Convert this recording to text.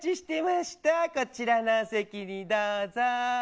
こちらのお席にどうぞ。